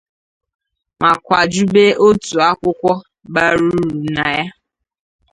ma kwajube ọtụtụ akwụkwọ bara uru na ya